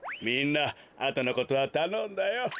みんなあとのことはたのんだよ。